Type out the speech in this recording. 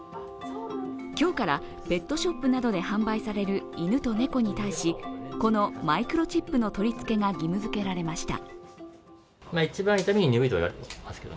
今日からペットショップなどで販売される犬と猫に対しこのマイクロチップの取り付けが義務づけられました。